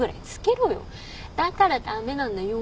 だから駄目なんだよ。